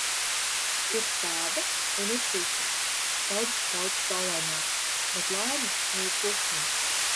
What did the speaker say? Ir tāda un ir cita – daudz, daudz saulaināka. Bet laime mīl klusumu.